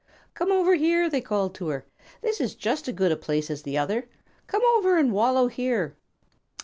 "Come over here," they called to her. "This is just as good a place as the other. Come over and wallow here."